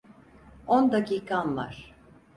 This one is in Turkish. On dakikan var.